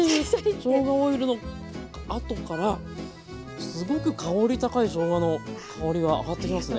しょうがオイルのあとからすごく香り高いしょうがの香りが上がってきますね。